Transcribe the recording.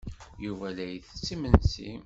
Yuba la ittett imensi.